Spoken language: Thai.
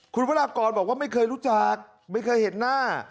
คุณวรากรบอกว่าไม่เคยรู้จักไม่เคยเห็นหน้า